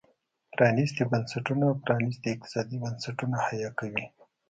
پرانيستي بنسټونه پرانيستي اقتصادي بنسټونه حیه کوي.